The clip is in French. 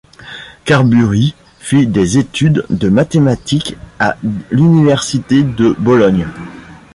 Carburi fit des études de mathématiques à l'université de Bologne.